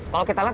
kalau kita lihat